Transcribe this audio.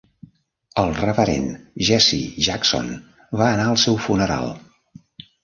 El reverend Jesse Jackson va anar al seu funeral.